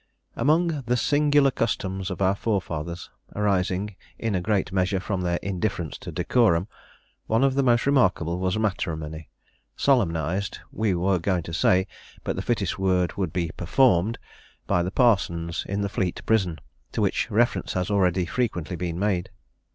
Among the singular customs of our forefathers, arising in a great measure from their indifference to decorum, one of the most remarkable was matrimony, solemnised, we were going to say, but the fittest word would be "performed," by the parsons in the Fleet prison, to which reference has already frequently been made.